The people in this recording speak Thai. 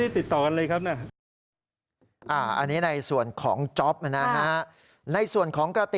ติดต่ออันนี้กับคนอื่นเรืออยู่บ้างครับ